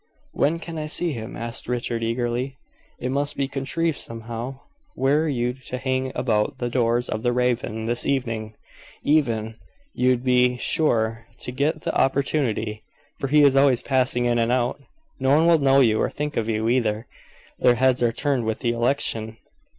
"When can I see him?" asked Richard, eagerly. "It must be contrived somehow. Were you to hang about the doors of the Raven this evening, even you'd be sure to get the opportunity, for he is always passing in and out. No one will know you, or think of you, either: their heads are turned with the election."